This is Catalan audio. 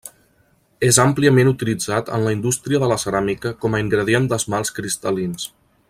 És àmpliament utilitzat en la indústria de la ceràmica com a ingredient d'esmalts cristal·lins.